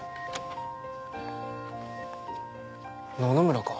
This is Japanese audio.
野々村か。